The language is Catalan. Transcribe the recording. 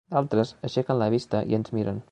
D'altres aixequen la vista i ens miren.